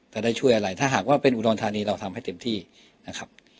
จะได้ช่วยอะไรถ้าหากว่าเป็นอุดรธานีเราทำให้เต็มที่นะครับ